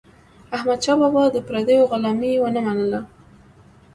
احمدشاه بابا د پردیو غلامي ونه منله.